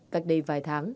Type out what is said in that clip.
cách đây vài tháng